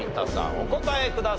お答えください。